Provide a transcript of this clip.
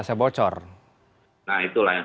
saya bocor nah itulah yang